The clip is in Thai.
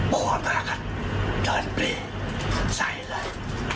พ่อมาขัดเดินไปใส่เลย